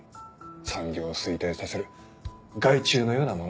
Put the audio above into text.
産業を衰退させる害虫のようなものです。